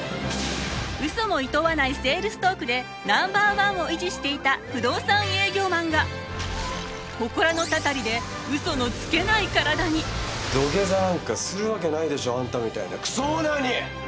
嘘もいとわないセールストークでナンバーワンを維持していた不動産営業マンが土下座なんかするわけないでしょあんたみたいなクソオーナーに！